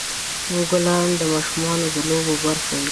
ګلان د ماشومان د لوبو برخه وي.